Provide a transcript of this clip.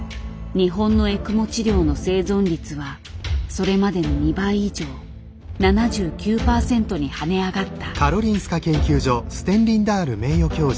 日本のエクモ治療の生存率はそれまでの２倍以上７９％に跳ね上がった。